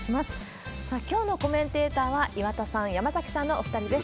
さあ、きょうのコメンテーターは岩田さん、山崎さんのお２人です。